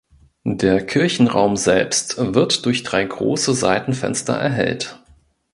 Der Kirchenraum selbst wird durch drei große Seitenfenster erhellt.